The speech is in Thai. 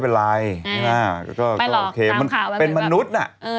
ได้ไหมลองรับข่าวคนเป็นมนุษย์นะ